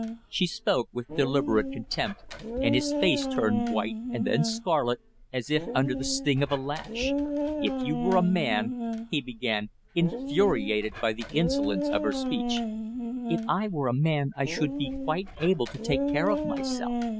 She spoke with deliberate contempt, and his face turned white and then scarlet, as if under the sting of a lash. "If you were a man " he began, infuriated by the insolence of her speech. "If I were a man I should be quite able to take care of myself.